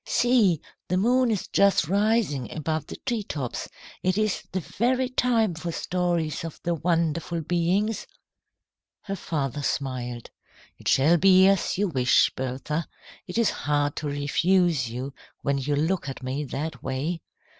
See! The moon is just rising above the tree tops. It is the very time for stories of the wonderful beings." Her father smiled. "It shall be as you wish, Bertha. It is hard to refuse you when you look at me that way.